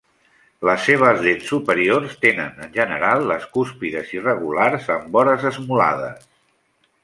Les seves dents superiors tenen en general les cúspides irregulars amb vores esmolades.